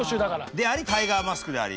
でありタイガーマスクであり。